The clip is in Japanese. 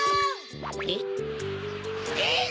・へっ⁉えっ！